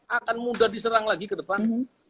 akan mudah diserang lagi ke depan